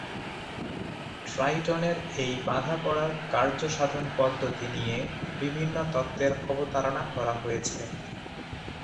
ট্রাইটনের এই বাঁধা পড়ার কার্যসাধন-পদ্ধতি নিয়ে বিভিন্ন তত্ত্বের অবতারণা করা হয়েছে।